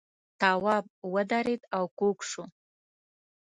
تواب ودرېد او کوږ شو.